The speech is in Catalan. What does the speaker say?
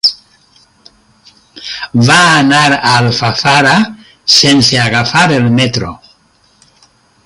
Va anar a Alfafara sense agafar el metro.